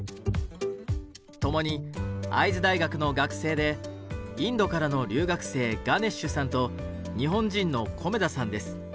共に会津大学の学生でインドからの留学生ガネッシュさんと日本人の米田さんです。